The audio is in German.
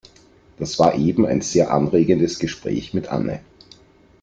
Das war eben ein sehr anregendes Gespräch mit Anne.